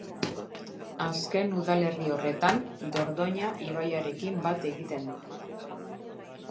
Azken udalerri horretan Dordoina ibaiarekin bat egiten du.